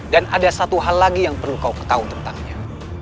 dan ada satu hal lagi yang perlu kau ketahui tentangnya